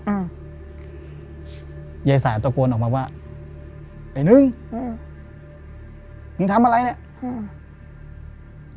อ่ายายสายตะโกนออกมาว่าไอ้หนึ่งอืมมึงทำอะไรเนี้ยอืม